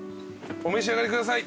お召し上がりください。